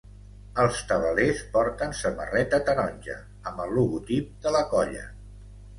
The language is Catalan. Els tabalers porten samarreta taronja, amb el logotip de la colla.